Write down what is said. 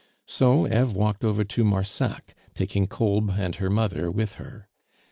So Eve walked over to Marsac, taking Kolb and her mother with her.